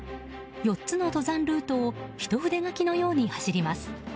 ４つの登山ルートをひと筆書きのように走ります。